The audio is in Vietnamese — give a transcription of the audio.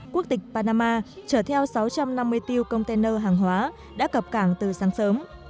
quốc tịch panama trở theo sáu trăm năm mươi bốn container hàng hóa đã cập cảng từ sáng sớm